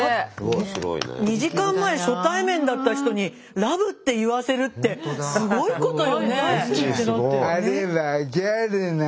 ２時間前初対面だった人にラブって言わせるってすごいことよね。